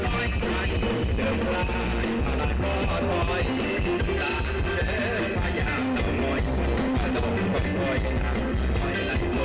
พอเข้ามาเกิลแล้วก็แหลม